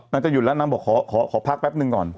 จะหยุดแล้วนางบอกขอพักแป๊บนึงก่อน